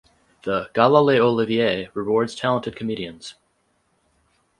The "Gala Les Olivier" rewards talented comedians.